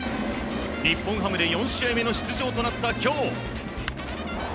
日本ハムで４試合目の出場となった今日。